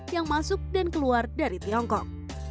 yang masuk dan keluar dari tiongkok